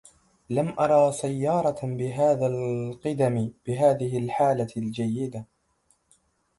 لم أرى سيارة بهذا القدم بهذه الحالة الجيدة.